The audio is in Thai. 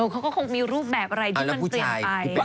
เขาก็คงมีรูปแบบอะไรที่มันเปลี่ยนไป